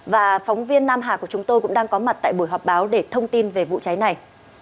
và phóng viên nam hà của chúng tôi cũng đang có mặt tại buổi họp báo để thông tin về vụ cháy này